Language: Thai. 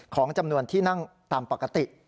ของจำนวนที่นั่งตามปกติ